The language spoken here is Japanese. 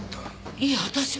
いえ私は。